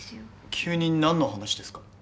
急に何の話ですか？